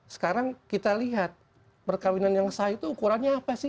sekarang kita lihat perkawinan yang sah itu ukurannya apa sih